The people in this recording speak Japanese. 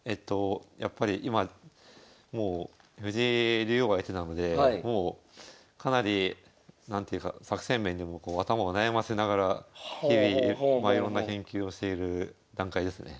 やっぱり今もう藤井竜王が相手なのでかなり何ていうか作戦面でも頭を悩ませながら日々いろんな研究をしている段階ですね。